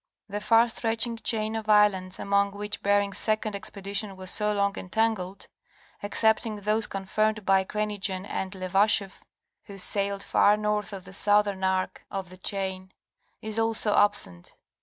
The far stretching chain of islands, among which Bering's second expedi tion was so long entangled, excepting those confirmed by Krenitzen and Levasheff (who sailed far north of the southern are of the chain) is also absent.